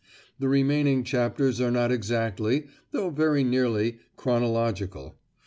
The remaining chapters are not exactly, though very nearly, chronological.